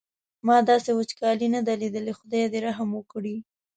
ما داسې وچکالي نه ده لیدلې خدای دې رحم وکړي.